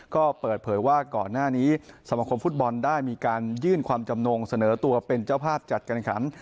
ก็เปิดเผยว่าก่อนหน้านี้สมคมฟุตบอลได้มีการยื่นความจำนงเสนอตัวเป็นเจ้าภาพจัดการขัน